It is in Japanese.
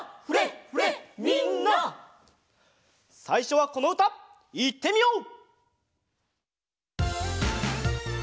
さいしょはこのうたいってみよう！